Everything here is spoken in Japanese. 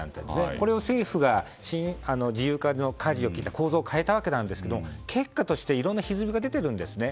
これを政府が自由化のかじを切って構造を変えたわけなんですが結果として、いろんなひずみが出ているんですね。